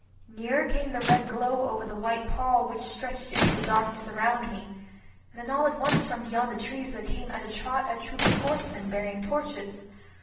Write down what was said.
Nearer came the red glow over the white pall which stretched into the darkness around me. Then all at once from beyond the trees there came at a trot a troop of horsemen bearing torches.